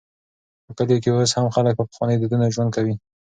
په کلیو کې اوس هم خلک په پخوانيو دودونو ژوند کوي.